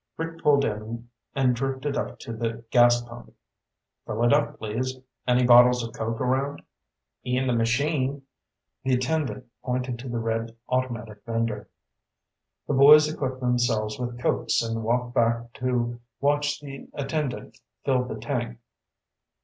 Rick pulled in and drifted up to the gas pump. "Fill it up, please. Any bottles of Coke around?" "In the machine." The attendant pointed to the red automatic vendor. The boys equipped themselves with Cokes and walked back to watch the attendant fill the tank.